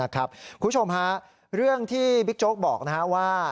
คุณผู้ชมฮะเรื่องที่บิ๊กโจ๊กบอกว่า